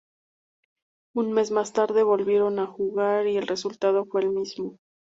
Un mes más tarde, volvieron a jugar y el resultado fue el mismo.